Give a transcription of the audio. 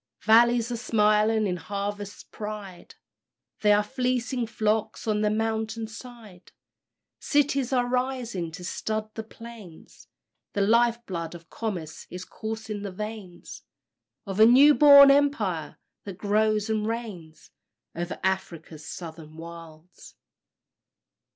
Valleys are smiling in harvest pride; There are fleecy flocks on the mountain side; Cities are rising to stud the plains; The life blood of commerce is coursing the veins Of a new born Empire, that grows and reigns Over Afric's Southern Wilds.